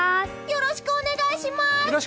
よろしくお願いします！